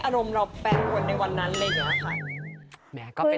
อารมณ์เราแปลกคนในวันนั้นเวทยาภารกัน